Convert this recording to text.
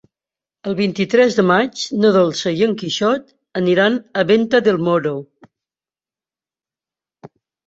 El vint-i-tres de maig na Dolça i en Quixot aniran a Venta del Moro.